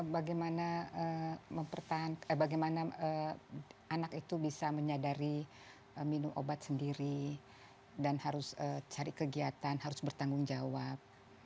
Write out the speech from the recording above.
bagaimana anak itu bisa menyadari minum obat sendiri dan harus cari kegiatan harus bertanggung jawab